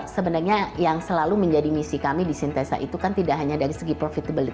sebenarnya yang selalu menjadi misi kami di sintesa itu kan tidak hanya dari segi profitability